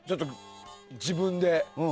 自分で。